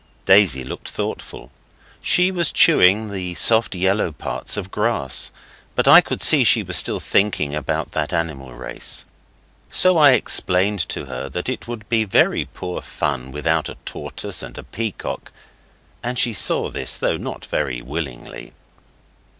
Daisy looked thoughtful. She was chewing the soft yellow parts of grass, but I could see she was still thinking about that animal race. So I explained to her that it would be very poor fun without a tortoise and a peacock, and she saw this, though not willingly.